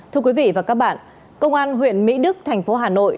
thưa quý vị và các bạn công an huyện mỹ đức thành phố hà nội